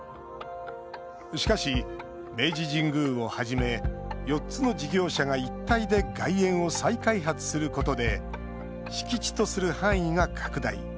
しかし、明治神宮をはじめ４つの事業者が一体で外苑を再開発することで敷地とする範囲が拡大。